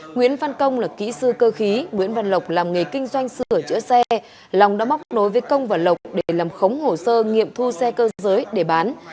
nguyễn văn công là kỹ sư cơ khí nguyễn văn lộc làm nghề kinh doanh sửa chữa xe long đã móc nối với công và lộc để làm khống hồ sơ nghiệm thu xe cơ giới để bán